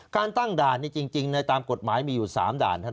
การตั้งด่านจริงในกฎหมายก็อยู่๓ด่าน